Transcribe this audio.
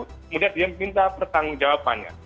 kemudian dia minta pertanggung jawabannya